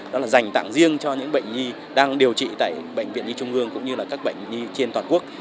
đó là dành tặng riêng cho những bệnh nhi đang điều trị tại bệnh viện nhi trung ương cũng như là các bệnh nhi trên toàn quốc